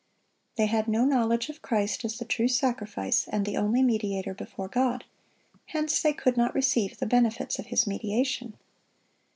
They had no knowledge of Christ as the true sacrifice and the only mediator before God; hence they could not receive the benefits of His mediation.